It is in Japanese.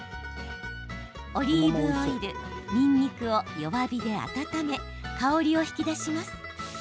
オリーブオイル、にんにくを弱火で温め、香りを引き出します。